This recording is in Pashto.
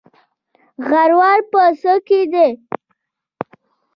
غرور په څه کې دی؟